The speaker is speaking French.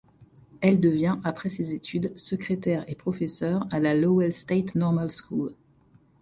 Elle devient, après ses études, secrétaire et professeur à la Lowell State Normal School.